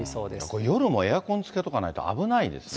これ、夜もエアコンつけとかないと危ないですね。